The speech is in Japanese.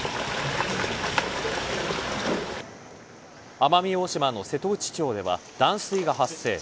奄美大島の瀬戸内町では断水が発生。